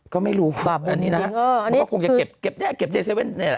ก็ไม่รู้อันนี้นะเขาก็คงจะเก็บได้เก็บใน๗๑๑นี่แหละ